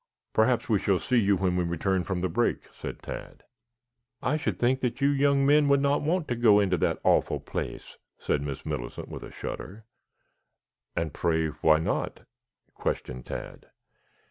"Perhaps we shall see you when we return from the brake," said Tad. "I should think you young men would not want to go into that awful place," said Miss Millicent with a shudder. "And pray, why not?" questioned Tad.